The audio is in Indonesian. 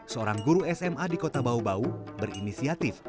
seorang guru sma di kota bau bau berinisiatif